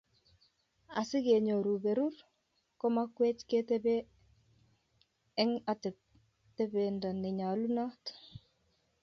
asikenyoru berur, komakwech ketebi eng atependo nenyalunot